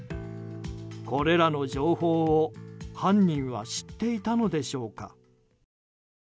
これらの情報を犯人は知っていたのでしょうか。